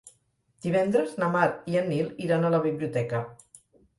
Divendres na Mar i en Nil iran a la biblioteca.